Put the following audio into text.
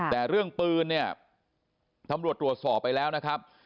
แต่เรื่องปืนเนี่ยตำรวจตรวจสอบไปแล้วนะครับ